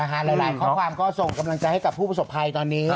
หลายข้อความก็ส่งกำลังใจให้กับผู้ประสบภัยตอนนี้